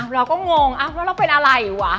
เราก็งงแล้วเราเป็นอะไรวะ